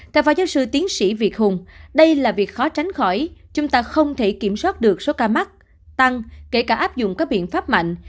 theo phó giáo sư tiến sĩ việt hùng đây là việc khó tránh khỏi chúng ta không thể kiểm soát được số ca mắc tăng kể cả áp dụng các biện pháp mạnh